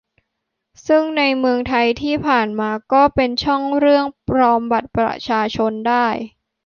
ซึ่งในเมืองไทยที่ผ่านมาก็เป็นช่องเรื่องปลอมบัตรประชาชนได้